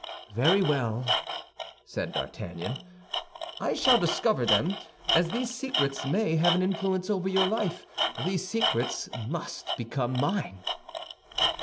"Very well," said D'Artagnan, "I shall discover them; as these secrets may have an influence over your life, these secrets must become mine."